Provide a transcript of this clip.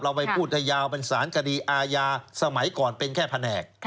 ไปพูดให้ยาวเป็นสารคดีอาญาสมัยก่อนเป็นแค่แผนก